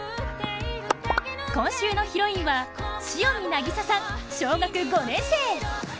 今週のヒロインは塩見渚さん、小学５年生。